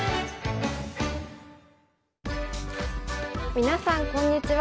みなさんこんにちは。